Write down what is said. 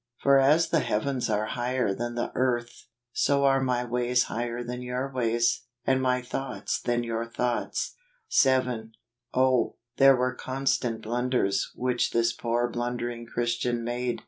" For as the heavens are higher than the earth , so are mg i cays higher than your ioays } ami my thoughts than your thoughts ." 7. Oh! there were constant blunders which this poor blundering Christian made.